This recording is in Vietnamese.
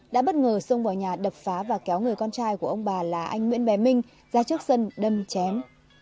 đã bất ngờ xông vào nhà đập phá và kéo người con trai của ông bà là anh nguyễn bé minh ra trước sân đâm chém